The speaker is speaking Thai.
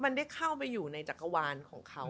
มันได้เข้าไปอยู่ในจักรวาลของเขา